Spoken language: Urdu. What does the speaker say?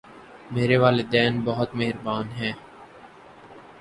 میرے والدین بہت مہربان ہیں